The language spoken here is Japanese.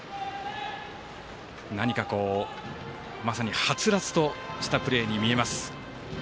何かまさにはつらつとしたプレーに見えます。